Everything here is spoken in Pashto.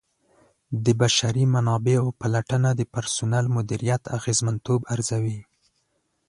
د بشري منابعو پلټنه د پرسونل مدیریت اغیزمنتوب ارزوي.